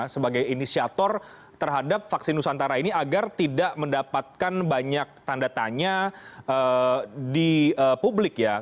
sebagai inisiator terhadap vaksin nusantara ini agar tidak mendapatkan banyak tanda tanya di publik ya